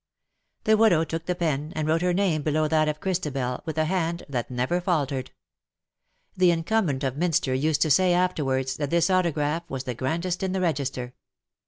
The widow took the pen, and wrote her name below ARE MUTE FOR EVER." . 129 that of C^hristabelj with a hand that never faltered. The incumbent o£ Minster used to say afterwards that this autograph was the grandest in the register.